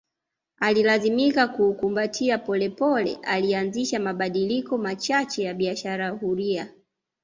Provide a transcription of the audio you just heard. Alilazimika kuukumbatia pole pole alianzisha mabadiliko machache ya biashara huria